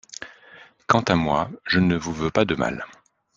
Quant à moi, je ne vous veux pas de mal...